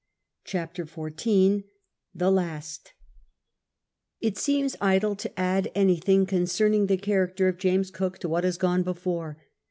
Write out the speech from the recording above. CHAPTEE XIV THE LAST It seems idle to add anything concerning the character of James Cook to what has gone before.